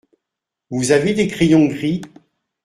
Vous avez des crayons gris ?